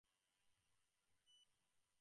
তুমিও তো দেখছি জেগে আছ?